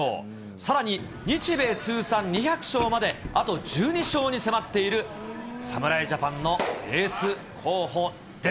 さらに日米通算２００勝まであと１２勝に迫っている侍ジャパンのエース候補です。